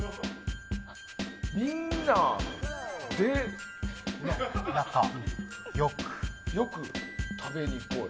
みんなで仲良く食べにこい。